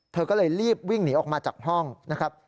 เธอก็เลยรีบวิ่งหนีออกมาจากห้องนะครับ